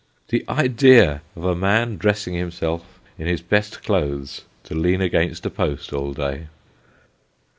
The idea of a man dressing himself in his best clothes, to lean against a post all day